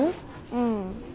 うん。